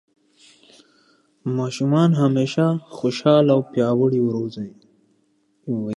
که ماشوم لوبې ونه کړي، ټولنیزه پوهه یې محدوده کېږي.